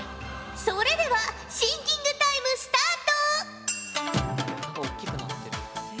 それではシンキングタイムスタート！